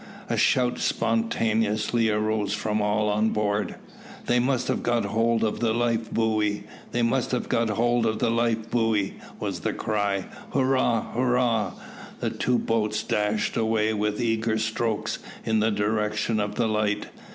A shout spontaneously arose from all on board. "They must have got hold of the life buoy, they must have got hold of the life buoy," was the cry. "Hurrah! hurrah!" The two boats dashed away, with eager strokes, in the direction of the light.